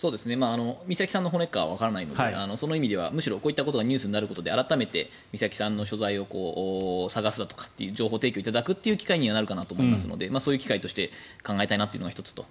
美咲さんの骨かわからないのでその意味ではむしろ、こういったことがニュースになることで改めて美咲さんの所在を捜すだとかって情報提供を頂く機会にはなるかなと思いますのでそういう機会として考えたいというのが１つと。